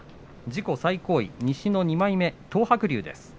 自己最高位西の２枚目東白龍です。